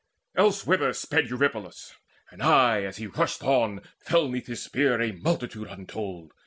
Elsewhither sped Eurypylus; and aye as he rushed on Fell 'neath his spear a multitude untold.